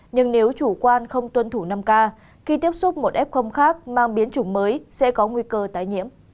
nhưng nếu chủ quan không tuân thủ năm k khi tiếp xúc một f khác mang biến chủng mới sẽ có nguy cơ tái nhiễm